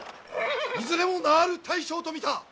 いずれも名ある大将と見た！